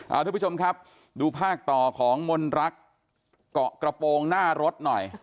เอาทุกผู้ชมครับดูภาคต่อของมนรักเกาะกระโปรงหน้ารถหน่อย